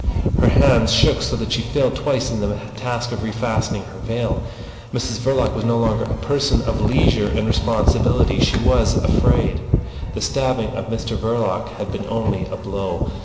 Her hands shook so that she failed twice in the task of refastening her veil. Mrs Verloc was no longer a person of leisure and responsibility. She was afraid. The stabbing of Mr Verloc had been only a blow.